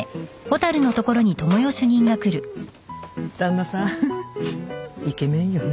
旦那さんイケメンよね。